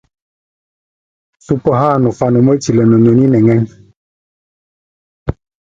Bá nakʼ ise lɛna ba sɛk wá mon o wʼ ó noʼmbokok, a báka nʼ iŋgíne yi.